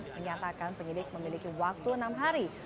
menyatakan penyidik memiliki waktu enam hari